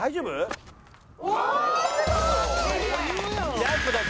ジャンプだけ。